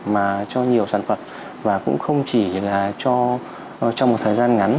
mà cho nhiều sản phẩm và cũng không chỉ là cho một thời gian ngắn